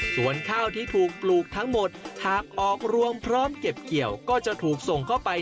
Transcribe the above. ส่วนข้าวที่ถูกปลูกทั้งหมดหากออกรวมพร้อมเก็บเกี่ยวก็จะถูกส่งเข้าไป